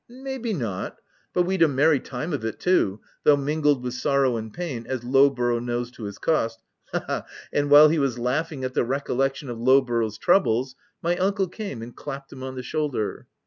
u May be not ; but we'd a merry time of it, too, though mingled with sorrow and pain, as Lowborough knows to his cost — Ha, ha !" and while he was laughing at the recollection of Lowborough's troubles, my uncle came and clapped him on the shoulder.